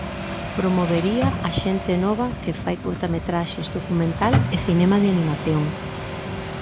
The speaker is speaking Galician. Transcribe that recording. Promovería á xente nova que fai curtametraxes, documental e cinema de animación.